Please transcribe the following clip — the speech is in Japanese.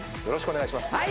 よろしくお願いします！